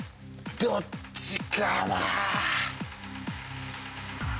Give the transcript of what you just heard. どっちかな？